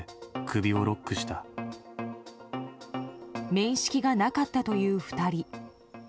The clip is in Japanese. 面識がなかったという２人。